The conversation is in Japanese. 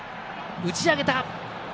打ち上げた。